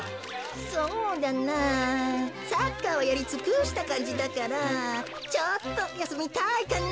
そうだなサッカーはやりつくしたかんじだからちょっとやすみたいかな。